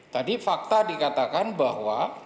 tadi fakta dikatakan bahwa